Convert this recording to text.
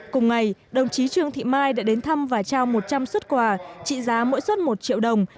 cùng ngày đồng chí trương thị mai đã đến thăm và trao một trăm linh xuất quà trị giá mỗi xuất một triệu đồng